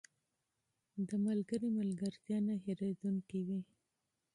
• د ملګري ملګرتیا نه هېریدونکې وي.